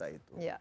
ya dtks itu ya